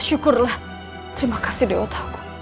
syukurlah terima kasih dewa tahu